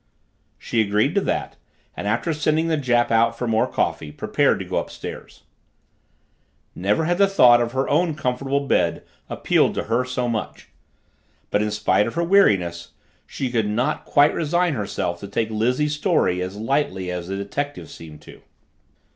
She agreed to that, and after sending the Jap out for more coffee prepared to go upstairs. Never had the thought of her own comfortable bed appealed to her so much. But, in spite of her weariness, she could not quite resign herself to take Lizzie's story as lightly as the detective seemed to.